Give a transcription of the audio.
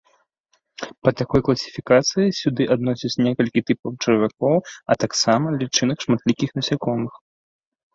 Па такой класіфікацыі сюды адносяць некалькі тыпаў чарвякоў, а таксама лічынак шматлікіх насякомых.